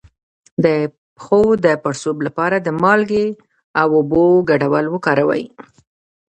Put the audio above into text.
د پښو د پړسوب لپاره د مالګې او اوبو ګډول وکاروئ